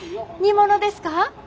煮物ですか？